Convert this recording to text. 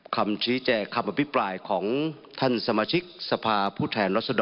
คำชี้แจงคำอภิปรายของท่านสมาชิกสภาผู้แทนรัศดร